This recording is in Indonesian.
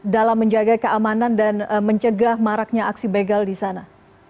dalam menjaga keamanan dan mencegah maraknya aksi begal di sana